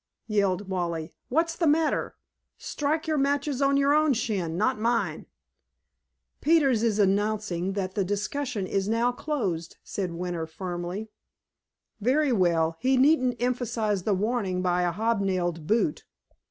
yelled Wally. "What's the matter? Strike your matches on your own shin, not mine." "Peters is announcing that the discussion is now closed," said Winter firmly. "Very well. He needn't emphasize the warning by a hob nailed boot.